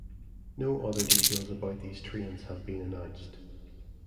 No other details about these trains have been announced.